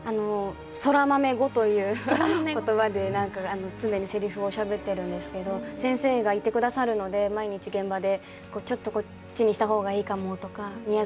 空豆語という言葉で常にせりふをしゃべっているんですけど先生がいてくださるので毎日現場で、ちょっとこっちにした方がいいかもとか宮崎